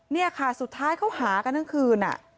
เนี่ยค่ะสุดท้ายเขาหากันเมื่อคืนหน้า